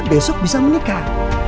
besok bisa menikah